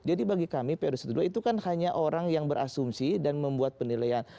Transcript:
jadi bagi kami pr dua belas itu kan hanya orang yang berasumsi dan membuat penilaian